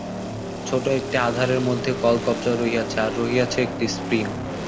ছোট একটি আধারের মধ্যে কল-কব্জা রহিয়াছে, আর রহিয়াছে একটি স্প্রিং।